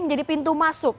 menjadi pintu masuk